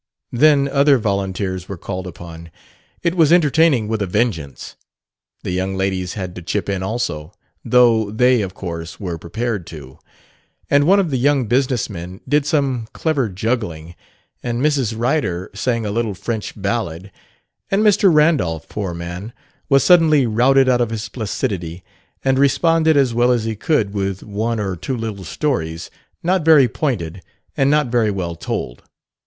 Then other volunteers were called upon it was entertaining with a vengeance! The young ladies had to chip in also though they, of course, were prepared to. And one of the young business men did some clever juggling; and Mrs. Ryder sang a little French ballade; and Mr. Randolph poor man! was suddenly routed out of his placidity, and responded as well as he could with one or two little stories, not very pointed and not very well told.